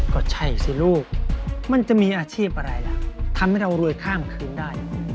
ก็ใช่สิลูกมันจะมีอาชีพอะไรล่ะทำให้เรารวยข้ามคืนได้